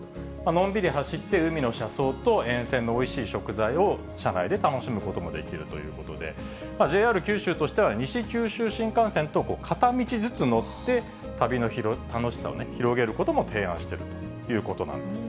のんびり走って海の車窓と沿線のおいしい食材を、車内で楽しむこともできるということで、ＪＲ九州としては、西九州新幹線と片道ずつ乗って、旅の楽しさを広げることも提案しているということなんです。